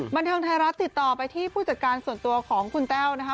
บันเทิงไทยรัฐติดต่อไปที่ผู้จัดการส่วนตัวของคุณแต้วนะคะ